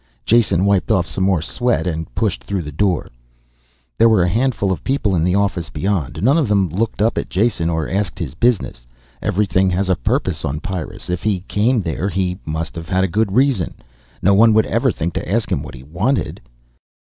Jason wiped off some more sweat and pushed through the door. There were a handful of people in the office beyond. None of them looked up at Jason or asked his business. Everything has a purpose on Pyrrus. If he came there he must have had a good reason. No one would ever think to ask him what he wanted.